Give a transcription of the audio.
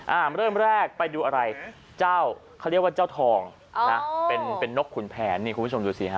เริ่มแรกไปดูอะไรเจ้าเขาเรียกว่าเจ้าทองอ่านะเป็นเป็นนกขุนแผนนี่คุณผู้ชมดูสิฮะ